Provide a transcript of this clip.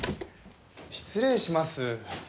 失礼します。